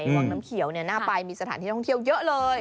วังน้ำเขียวน่าไปมีสถานที่ท่องเที่ยวเยอะเลย